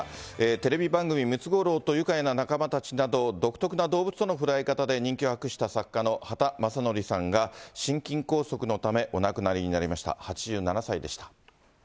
テレビ番組、ムツゴロウとゆかいな仲間たちなど、独特な動物との触れ合い方で人気を博した作家の畑正憲さんが、心筋梗塞のため、お亡くなりになりました。